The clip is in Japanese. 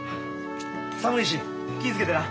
寒いし気ぃ付けてな。